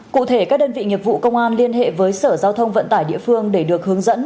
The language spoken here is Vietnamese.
cụ thể các đơn vị nghiệp vụ công an liên hệ với sở giao thông vận tải địa phương để được hướng dẫn